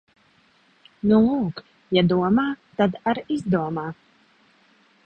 Nu lūk, ja domā, tad ar’ izdomā.